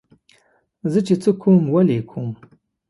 زه چې څه کوم ولې یې کوم.